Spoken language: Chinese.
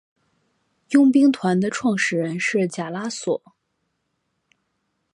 佣兵团的创始人是贾拉索。